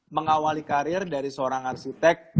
mengawali karir dari seorang arsitek